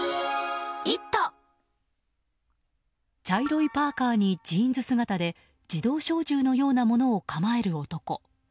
茶色いパーカにジーンズ姿で自動小銃のようなものを構える男。